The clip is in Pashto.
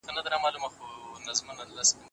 اقتصاد د خلکو اړتیاوې مطالعه کوي.